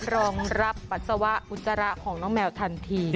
รองรับปัสสาวะอุจจาระของน้องแมวทันที